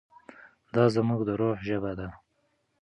دا زموږ د روح ژبه ده.